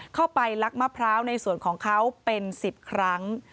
เข้าไปลักมะพร้าวในส่วนของเขาเป็น๑๐ครั้ง